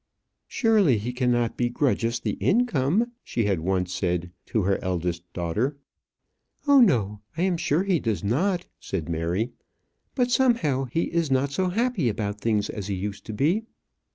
"Surely he cannot begrudge us the income," she had once said to her eldest daughter. "Oh, no; I am sure he does not," said Mary; "but, somehow, he is not so happy about things as he used to be."